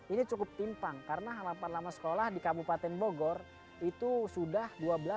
ini cukup timpang karena harapan lama sekolah di kabupaten bogor itu sudah dua belas